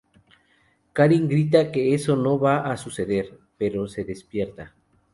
Karin grita que eso no va a suceder, pero se despierta.